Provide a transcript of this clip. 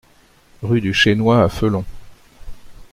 Rue du Chénois à Felon